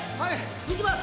行きます！